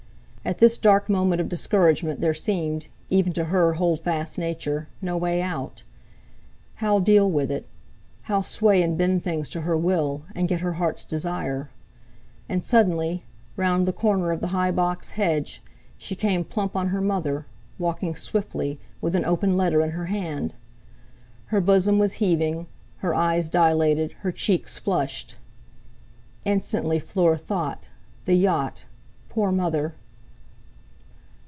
At this dark moment of discouragement there seemed, even to her hold fast nature, no way out. How deal with it—how sway and bend things to her will, and get her heart's desire? And, suddenly, round the corner of the high box hedge, she came plump on her mother, walking swiftly, with an open letter in her hand. Her bosom was heaving, her eyes dilated, her cheeks flushed. Instantly Fleur thought: 'The yacht! Poor Mother!'